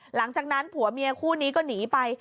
หลังจากนั้นผัวเมียคู่นี้ก็หนีไป